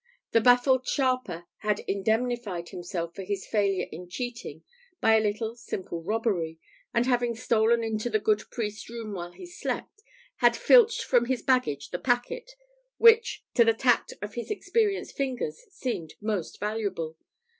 The baffled sharper had indemnified himself for his failure in cheating by a little simple robbery, and having stolen into the good priest's room while he slept, had filched from his baggage the packet, which to the tact of his experienced fingers seemed most valuable.